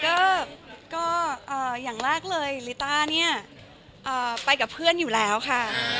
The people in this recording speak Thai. ก็อย่างแรกเลยลิต้าเนี่ยไปกับเพื่อนอยู่แล้วค่ะ